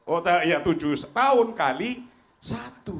oh iya tujuh tahun kali satu